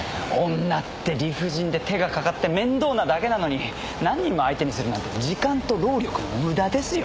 女って理不尽で手がかかって面倒なだけなのに何人も相手にするなんて時間と労力の無駄ですよ。